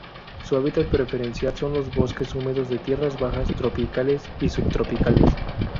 Su hábitat preferencial son los bosques húmedos de tierras bajas, tropicales y subtropicales.